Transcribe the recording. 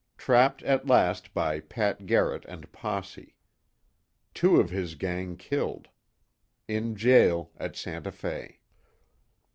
TRAPPED AT LAST BY PAT GARRETT AND POSSE. TWO OF HIS GANG KILLED. IN JAIL AT SANTA FE.